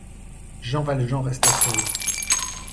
Jean Valjean resta seul.